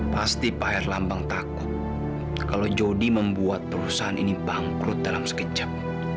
pasti pak erlambang takut kalau jody membuat perusahaan ini bangkrut dalam sekejap